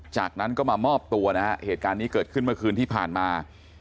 จากนั้นก็มามอบตัวนะฮะเหตุการณ์นี้เกิดขึ้นเมื่อคืนที่ผ่านมา